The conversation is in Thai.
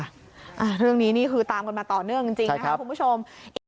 เรื่องนี้นี่คือตามกันมาต่อเนื่องจริงนะครับคุณผู้ชม